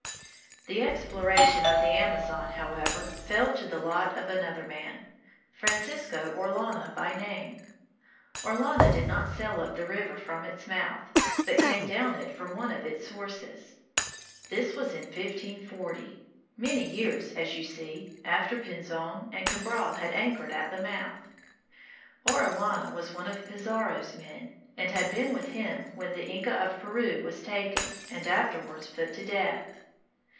The exploration of the Amazon, however, fell to the lot of another man, Francisco Orellana by name. Orellana did not sail up the river from its mouth, but came down it from one of its sources. This was in 1540, many years, as you see, after Pinzon and Cabral had anchored at the mouth. Orellana was one of Pizarro's men, and had been with him when the Inca of Peru was taken and afterwards put to death.